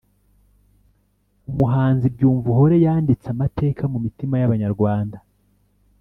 Umuhanzi Byumvuhore yanditse amateka mu mitima y’abanyarwanda